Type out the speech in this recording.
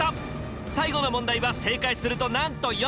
最後の問題は正解するとなんと４０点。